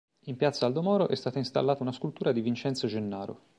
In Piazza Aldo Moro, è stata installata una scultura di Vincenzo Gennaro.